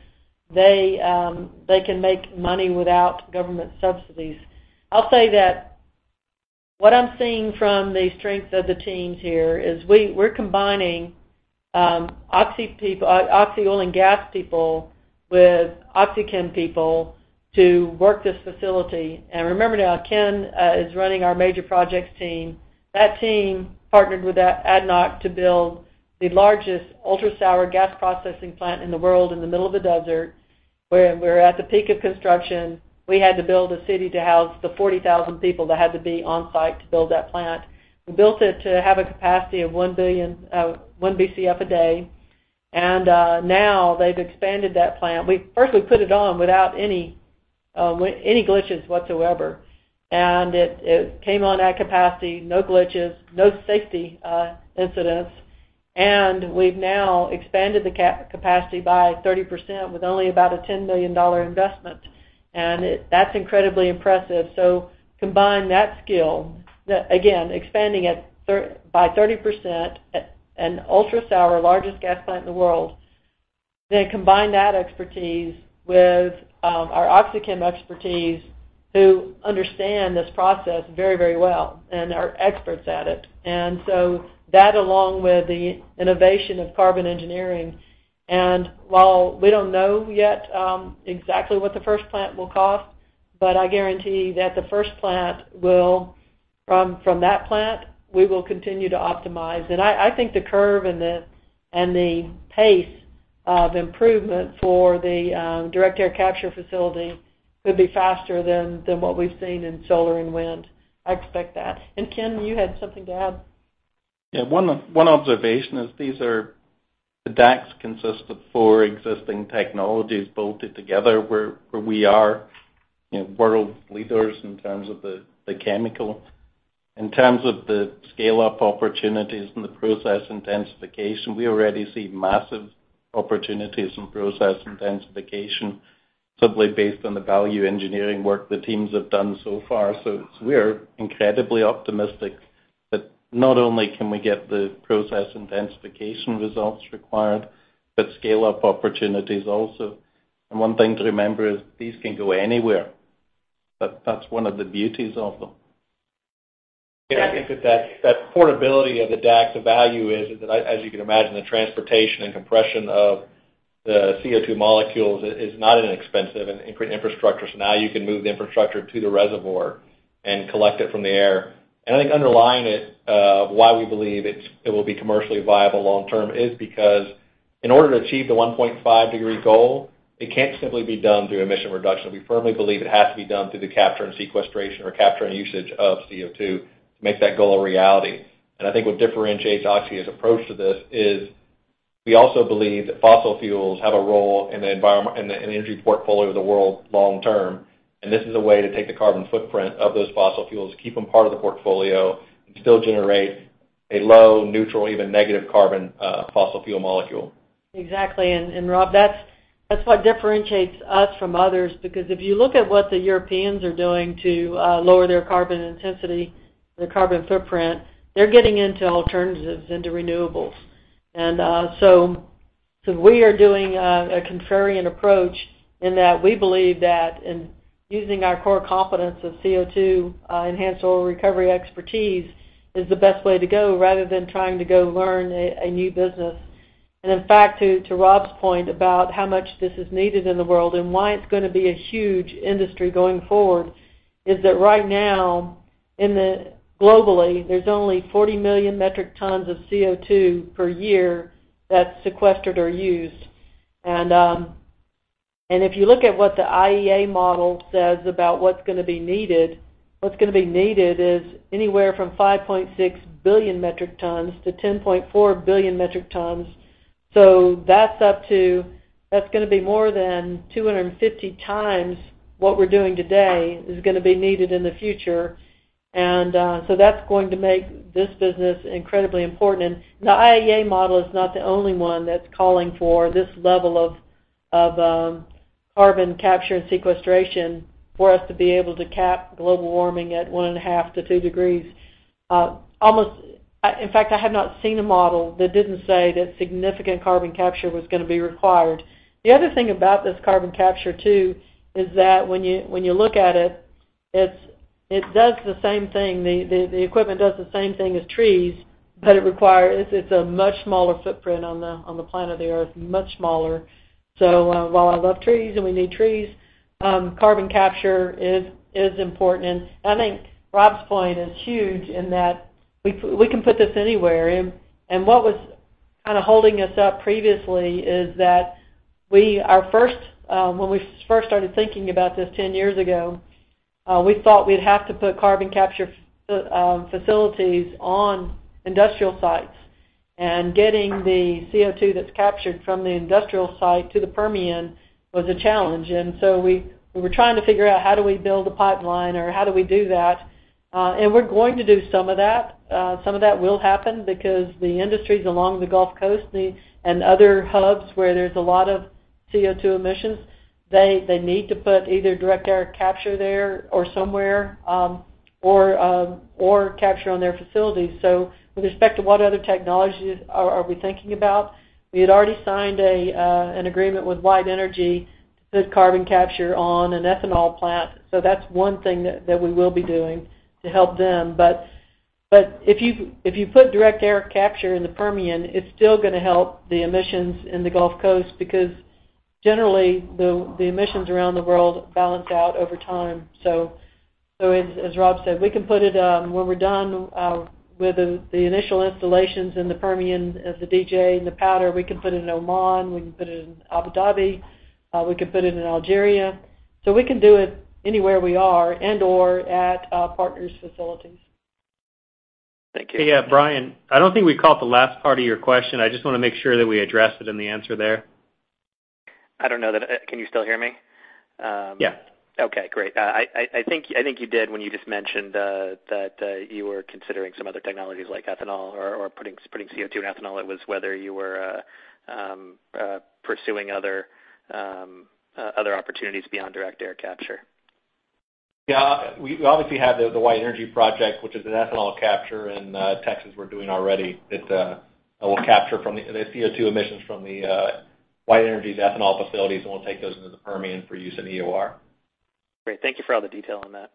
they can make money without government subsidies? I'll say that what I'm seeing from the strength of the teams here is we're combining Oxy Oil and Gas people with OxyChem people to work this facility. Remember now, Ken is running our major projects team. That team partnered with ADNOC to build the largest ultra-sour gas processing plant in the world in the middle of the desert, where, at the peak of construction, we had to build a city to house the 40,000 people that had to be on-site to build that plant. We built it to have a capacity of 1 Bcf a day. Now they've expanded that plant. First, we put it on without any glitches whatsoever. It came on at capacity, no glitches, no safety incidents. We've now expanded the capacity by 30% with only about a $10 million investment, and that's incredibly impressive. Combine that skill, again, expanding it by 30% at an ultra-sour, largest gas plant in the world, then combine that expertise with our OxyChem expertise, who understand this process very well and are experts at it. That along with the innovation of Carbon Engineering, and while we don't know yet exactly what the first plant will cost, but I guarantee that the first plant will, from that plant, we will continue to optimize. I think the curve and the pace of improvement for the direct air capture facility could be faster than what we've seen in solar and wind. I expect that. Ken, you had something to add? Yeah. One observation is the DACs consist of four existing technologies bolted together where we are world leaders in terms of the chemical. In terms of the scale-up opportunities and the process intensification, we already see massive opportunities in process intensification simply based on the value engineering work the teams have done so far. We're incredibly optimistic that not only can we get the process intensification results required, but scale-up opportunities also. One thing to remember is these can go anywhere. That's one of the beauties of them. Yeah, I think that portability of the DAC, the value is that as you can imagine, the transportation and compression of the CO2 molecules is not inexpensive and increased infrastructure. Now you can move the infrastructure to the reservoir and collect it from the air. I think underlying it, why we believe it will be commercially viable long term is because in order to achieve the 1.5 degree goal, it can't simply be done through emission reduction. We firmly believe it has to be done through the capture and sequestration or capture and usage of CO2 to make that goal a reality. I think what differentiates Oxy's approach to this is we also believe that fossil fuels have a role in the energy portfolio of the world long term. This is a way to take the carbon footprint of those fossil fuels, keep them part of the portfolio, and still generate a low, neutral, even negative carbon fossil fuel molecule. Exactly. Rob, that's what differentiates us from others because if you look at what the Europeans are doing to lower their carbon intensity, their carbon footprint, they're getting into alternatives, into renewables. We are doing a contrarian approach in that we believe that in using our core competence of CO2 enhanced oil recovery expertise is the best way to go rather than trying to go learn a new business. In fact, to Rob's point about how much this is needed in the world and why it's going to be a huge industry going forward, is that right now, globally, there's only 40 million metric tons of CO2 per year that's sequestered or used. If you look at what the IEA model says about what's going to be needed, what's going to be needed is anywhere from 5.6 billion metric tons - 10.4 billion metric tons. That's going to be more than 25x what we're doing today is going to be needed in the future. That's going to make this business incredibly important. The IEA model is not the only one that's calling for this level of carbon capture and sequestration for us to be able to cap global warming at 1.5 to 2 degrees. In fact, I have not seen a model that didn't say that significant carbon capture was going to be required. The other thing about this carbon capture too is that when you look at it, the equipment does the same thing as trees, but it's a much smaller footprint on the planet of the Earth, much smaller. While I love trees and we need trees, carbon capture is important. I think Rob's point is huge in that we can put this anywhere. What was holding us up previously is that when we first started thinking about this 10 years ago, we thought we'd have to put carbon capture facilities on industrial sites and getting the CO2 that's captured from the industrial site to the Permian was a challenge. We were trying to figure out how do we build a pipeline or how do we do that? We're going to do some of that. Some of that will happen because the industries along the Gulf Coast and other hubs where there's a lot of CO2 emissions, they need to put either direct air capture there or somewhere or capture on their facilities. With respect to what other technologies are we thinking about, we had already signed an agreement with White Energy to put carbon capture on an ethanol plant. That's one thing that we will be doing to help them. If you put direct air capture in the Permian, it's still going to help the emissions in the Gulf Coast because generally, the emissions around the world balance out over time. As Rob said, when we're done with the initial installations in the Permian, the DJ, and the Powder, we can put it in Oman, we can put it in Abu Dhabi, we can put it in Algeria. We can do it anywhere we are and/or at our partners' facilities. Thank you. Yeah, Brian, I don't think we caught the last part of your question. I just want to make sure that we address it in the answer there. I don't know. Can you still hear me? Yeah. Okay, great. I think you did when you just mentioned that you were considering some other technologies like ethanol or putting CO2 in ethanol. It was whether you were pursuing other opportunities beyond direct air capture. Yeah. We obviously have the White Energy project, which is an ethanol capture in Texas we're doing already that will capture the CO2 emissions from the White Energy's ethanol facilities, and we'll take those into the Permian for use in EOR. Great. Thank you for all the detail on that.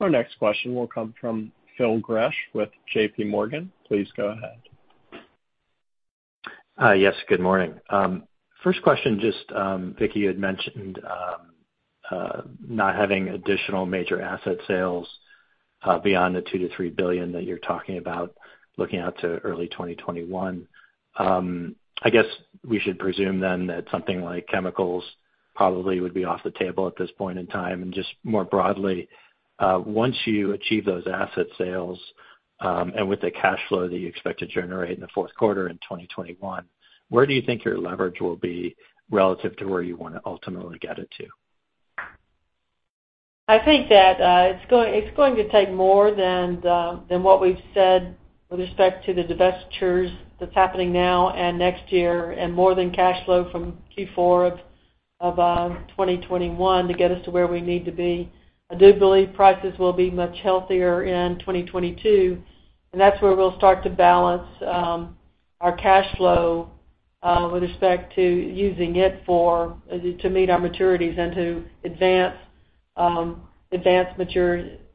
Our next question will come from Phil Gresh with JPMorgan. Please go ahead. Yes, good morning. First question, just Vicki had mentioned not having additional major asset sales beyond the $2 billion-$3 billion that you're talking about looking out to early 2021. I guess we should presume then that something like chemicals probably would be off the table at this point in time. Just more broadly, once you achieve those asset sales and with the cash flow that you expect to generate in the fourth quarter in 2021, where do you think your leverage will be relative to where you want to ultimately get it to? I think that it's going to take more than what we've said with respect to the divestitures that's happening now and next year, and more than cash flow from Q4 of 2021 to get us to where we need to be. I do believe prices will be much healthier in 2022, and that's where we'll start to balance our cash flow with respect to using it to meet our maturities and to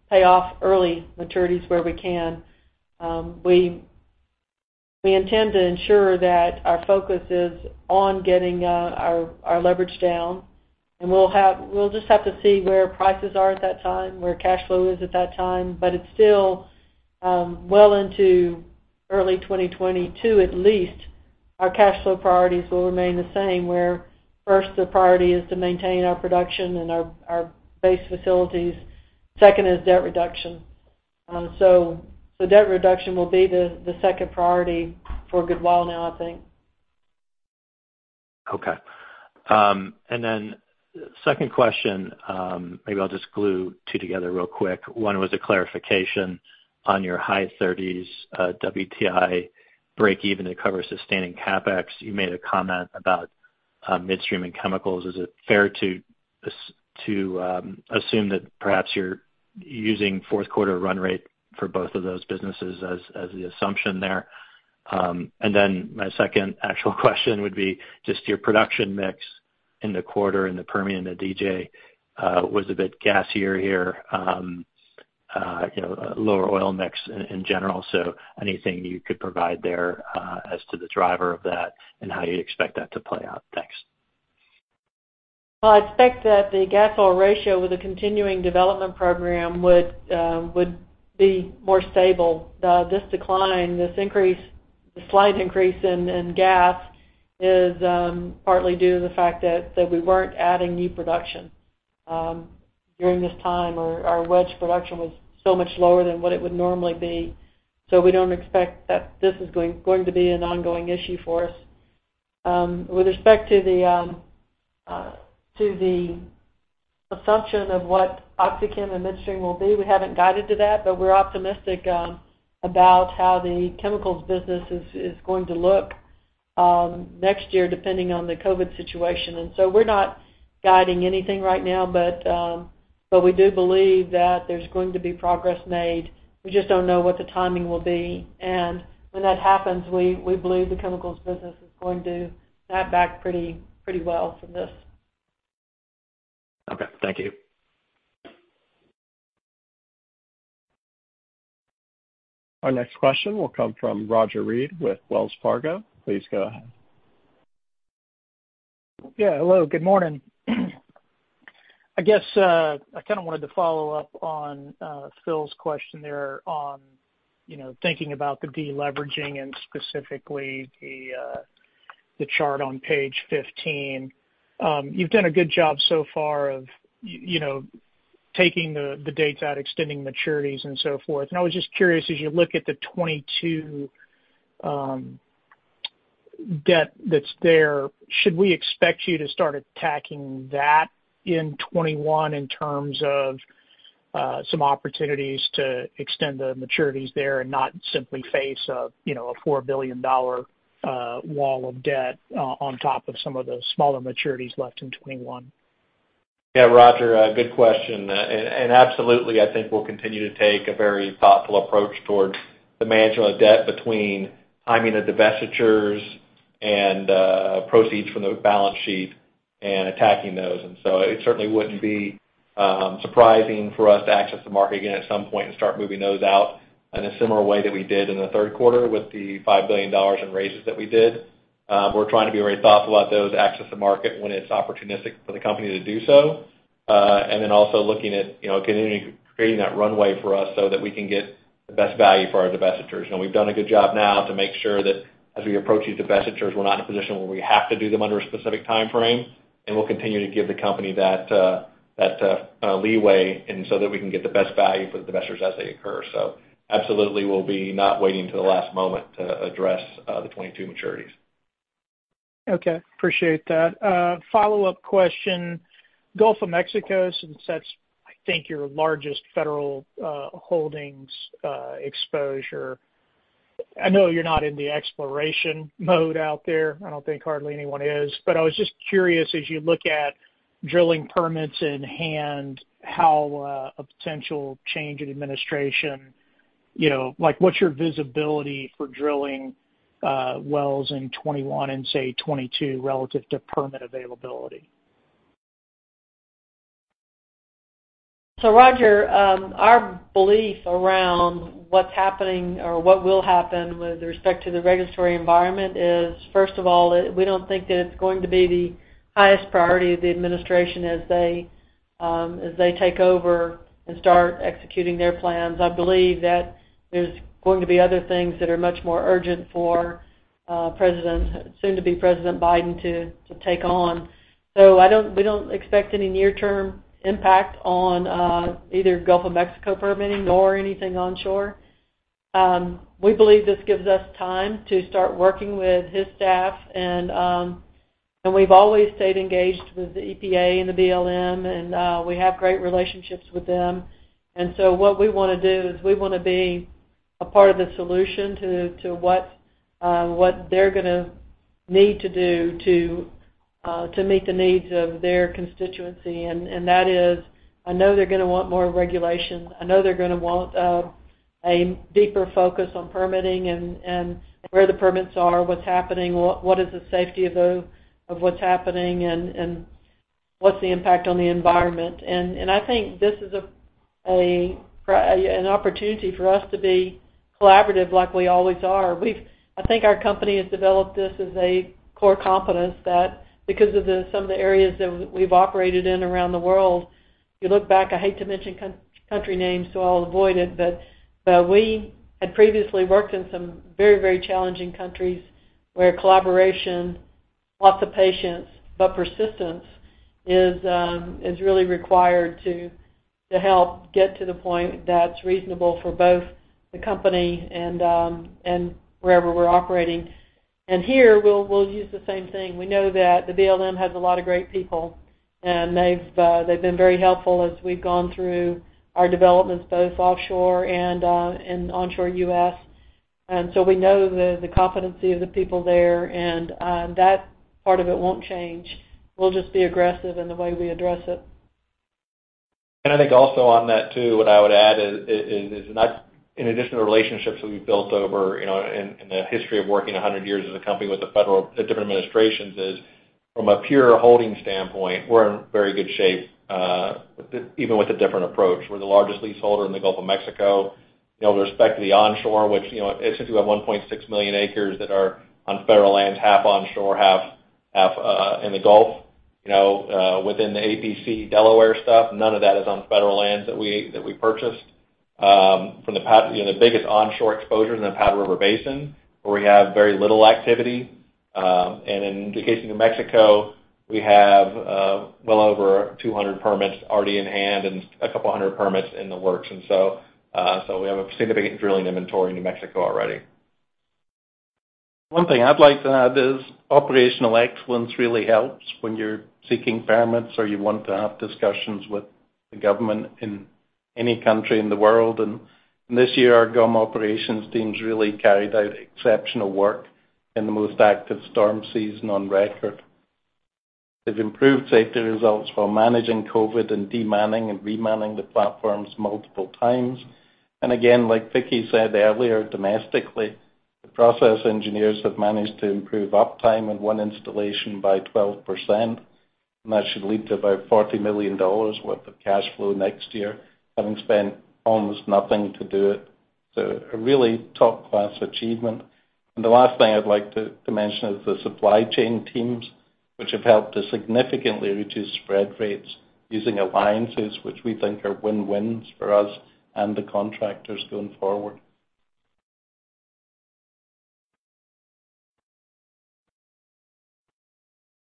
pay off early maturities where we can. We intend to ensure that our focus is on getting our leverage down, and we'll just have to see where prices are at that time, where cash flow is at that time. It's still well into early 2022 at least, our cash flow priorities will remain the same, where first the priority is to maintain our production and our base facilities. Second is debt reduction. Debt reduction will be the second priority for a good while now, I think. Okay. Second question, maybe I'll just glue two together real quick. One was a clarification on your high $30s WTI breakeven to cover sustaining CapEx. You made a comment about midstream and chemicals. Is it fair to assume that perhaps you're using fourth quarter run rate for both of those businesses as the assumption there? My second actual question would be just your production mix in the quarter in the Permian and the DJ, was a bit gassier here, lower oil mix in general. Anything you could provide there as to the driver of that and how you expect that to play out. Thanks. Well, I expect that the gas oil ratio with a continuing development program would be more stable. This decline, this increase, the slight increase in gas is partly due to the fact that we weren't adding new production during this time. Our wedge production was so much lower than what it would normally be. We don't expect that this is going to be an ongoing issue for us. With respect to the assumption of what OxyChem and midstream will be, we haven't guided to that, but we're optimistic about how the chemicals business is going to look next year depending on the COVID situation. We're not guiding anything right now, but we do believe that there's going to be progress made. We just don't know what the timing will be. When that happens, we believe the chemicals business is going to snap back pretty well from this. Okay. Thank you. Our next question will come from Roger Read with Wells Fargo. Please go ahead. Hello, good morning. I guess I kind of wanted to follow up on Phil's question there on thinking about the de-leveraging and specifically the chart on page 15. You've done a good job so far of taking the dates out, extending maturities, and so forth. I was just curious, as you look at the 2022 debt that's there, should we expect you to start attacking that in 2021 in terms of some opportunities to extend the maturities there and not simply face a $4 billion wall of debt on top of some of the smaller maturities left in 2021? Yeah, Roger, good question. Absolutely, I think we'll continue to take a very thoughtful approach towards the management of debt between timing of divestitures and proceeds from the balance sheet and attacking those. It certainly wouldn't be surprising for us to access the market again at some point and start moving those out in a similar way that we did in the third quarter with the $5 billion in raises that we did. We're trying to be very thoughtful about those access to market when it's opportunistic for the company to do so. Also looking at continuing creating that runway for us so that we can get the best value for our divestitures. We've done a good job now to make sure that as we approach these divestitures, we're not in a position where we have to do them under a specific timeframe, and we'll continue to give the company that leeway and so that we can get the best value for the divestitures as they occur. Absolutely, we'll be not waiting till the last moment to address the 2022 maturities. Okay. Appreciate that. Follow-up question. Gulf of Mexico, since that's, I think, your largest federal holdings exposure. I know you're not in the exploration mode out there, I don't think hardly anyone is, but I was just curious, as you look at drilling permits in hand, how a potential change in administration like what's your visibility for drilling wells in 2021 and say 2022 relative to permit availability? Roger, our belief around what's happening or what will happen with respect to the regulatory environment is, first of all, we don't think that it's going to be the highest priority of the administration as they take over and start executing their plans. I believe that there's going to be other things that are much more urgent for soon to be President Biden to take on. We don't expect any near term impact on either Gulf of Mexico permitting nor anything onshore. We believe this gives us time to start working with his staff and we've always stayed engaged with the EPA and the BLM, and we have great relationships with them. What we want to do is we want to be a part of the solution to what they're going to need to do to meet the needs of their constituency. That is, I know they're going to want more regulation. I know they're going to want a deeper focus on permitting and where the permits are, what's happening, what is the safety of what's happening, and what's the impact on the environment. I think this is an opportunity for us to be collaborative like we always are. I think our company has developed this as a core competence that because of some of the areas that we've operated in around the world, you look back, I hate to mention country names, so I'll avoid it, but we had previously worked in some very challenging countries where collaboration, lots of patience, but persistence is really required to help get to the point that's reasonable for both the company and wherever we're operating. Here, we'll use the same thing. We know that the BLM has a lot of great people, and they've been very helpful as we've gone through our developments, both offshore and in onshore U.S. We know the competency of the people there, and that part of it won't change. We'll just be aggressive in the way we address it. I think also on that too, what I would add is not in addition to relationships that we've built over in the history of working 100 years as a company with the Federal, the different administrations, is from a pure holdings standpoint, we're in very good shape, even with a different approach. We're the largest leaseholder in the Gulf of Mexico. With respect to the onshore, which, essentially we have 1.6 million acres that are on Federal lands, half onshore, half in the Gulf. Within the APC Delaware stuff, none of that is on Federal lands that we purchased. From the biggest onshore exposure in the Powder River Basin, where we have very little activity. In the case of New Mexico, we have well over 200 permits already in hand and a couple of hundred permits in the works. We have a significant drilling inventory in New Mexico already. One thing I'd like to add is operational excellence really helps when you're seeking permits or you want to have discussions with the government in any country in the world. This year, our GOM operations teams really carried out exceptional work in the most active storm season on record. They've improved safety results while managing COVID and de-manning and re-manning the platforms multiple times. Again, like Vicki said earlier, domestically, the process engineers have managed to improve uptime in one installation by 12%, and that should lead to about $40 million worth of cash flow next year, having spent almost nothing to do it. A really top-class achievement. The last thing I'd like to mention is the supply chain teams, which have helped to significantly reduce spread rates using alliances, which we think are win-wins for us and the contractors going forward.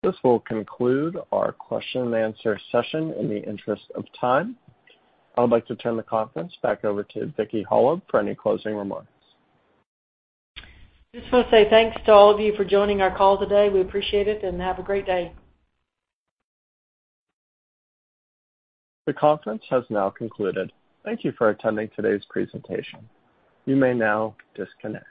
This will conclude our question and answer session in the interest of time. I would like to turn the conference back over to Vicki Hollub for any closing remarks. I just want to say thanks to all of you for joining our call today. We appreciate it, and have a great day. The conference has now concluded. Thank you for attending today's presentation. You may now disconnect.